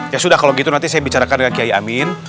ya sudah kalau gitu nanti saya bicarakan dengan kiai amin